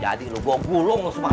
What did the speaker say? jadi lu gua gulung lu semua